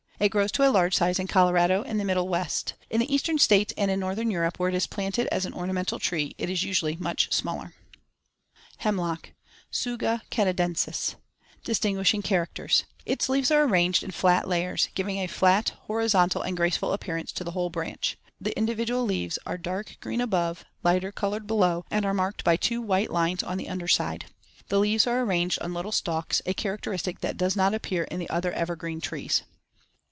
It grows to a large size in Colorado and the Middle West. In the Eastern States and in northern Europe where it is planted as an ornamental tree, it is usually much smaller. [Illustration: FIG. 9. Twig of the Norway Spruce.] HEMLOCK (Tsuga canadensis) Distinguishing characters: Its leaves are arranged in *flat layers*, giving a flat, horizontal and graceful appearance to the whole branch (Fig. 8). The individual leaves are dark green above, lighter colored below, and are *marked by two white lines on the under side* (Fig. 10). The leaves are arranged on little stalks, a characteristic that does not appear in the other evergreen trees.